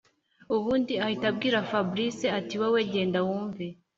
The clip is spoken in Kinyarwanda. ubundi ahita abwira fabric ati”wowe genda wumve